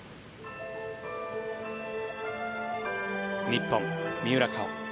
日本、三浦佳生